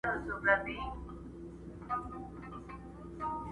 اشنا راسه پر پوښتنه رنځ مي وار په وار زیاتیږي!!